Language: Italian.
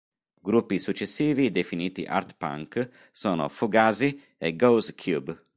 Gruppi successivi definiti art punk sono Fugazi e Goes Cube.